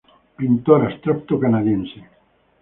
Pintor abstracto canadiense.